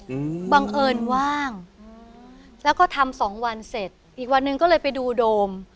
อืมบังเอิญว่างอืมแล้วก็ทำสองวันเสร็จอีกวันหนึ่งก็เลยไปดูโดม